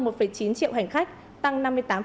một chín triệu hành khách tăng năm mươi tám